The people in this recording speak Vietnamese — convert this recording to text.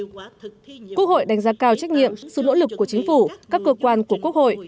quốc hội đánh giá cao trách nhiệm sự nỗ lực của chính phủ các cơ quan của quốc hội